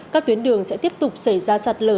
các tuyến đường sẽ tiếp tục xảy ra sạt lở